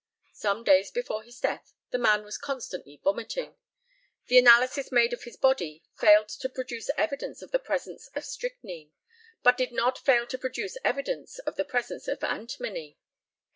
Some days before his death the man was constantly vomiting. The analysis made of his body failed to produce evidence of the presence of strychnine, but did not fail to produce evidence of the presence of antimony.